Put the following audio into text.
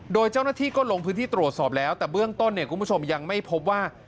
โดยเจ้าหน้าที่ก็ลงพื้นที่ตรวจสอบแล้วแต่เบื้องต้นเนี่ยคุณผู้ชมยังไม่พบว่า